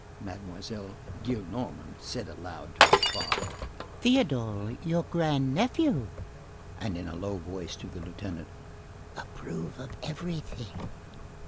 Mademoiselle Gillenormand said aloud to her father:— "Théodule, your grandnephew." And in a low voice to the lieutenant:— "Approve of everything."